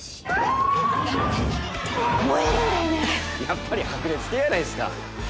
やっぱり白熱系やないですか。